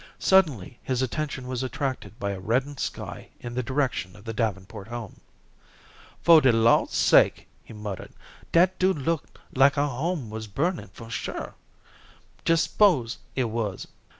Suddenly his attention was attracted by a reddened sky in the direction of the Davenport home. "Foh de Lawd's sake," he muttered, "dat do look like our home wuz burnin' for sure. Jes' s'pose it wuz.